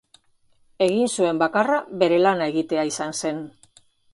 Egin zuen bakarra, bere lana egitea izan zen.